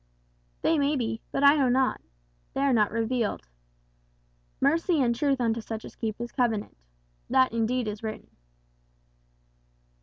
"They may be; but I know not. They are not revealed. 'Mercy and truth unto such as keep his covenant,' that indeed is written."